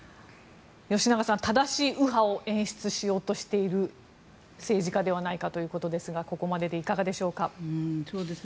吉永さん、正しい右派を演出しようとしている政治家ではないかということですがここまででいかがでしょうか。